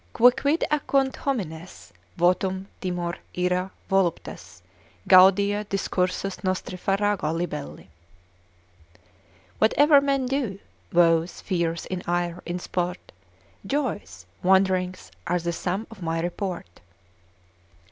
Quicquid agunt homines, votum, timor, ira, voluptas, Gaudia, discursus, nostri farrago libelli. Whate'er men do, vows, fears, in ire, in sport, Joys, wand'rings, are the sum of my report.